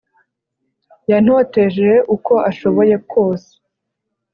Yantoteje uko ashoboye kwose